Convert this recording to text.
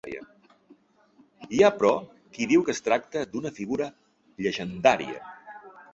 Hi ha, però, qui diu que es tracta d'una figura llegendària.